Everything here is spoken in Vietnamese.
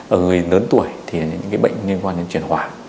ở người lớn tuổi thì những bệnh liên quan đến chuyển hóa